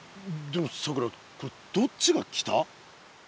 でもさくらどっちが北？